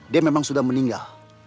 dia memang sudah meninggal